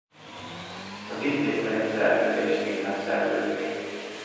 Az így létrejött szerződés színlelt szerződés.